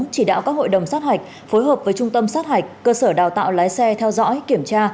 chỉ đạo các hội đồng sát hạch phối hợp với trung tâm sát hạch cơ sở đào tạo lái xe theo dõi kiểm tra